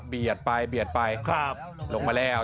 ไปเบียดไปลงมาแล้ว